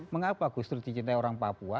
mengapa gustur dicintai orang papua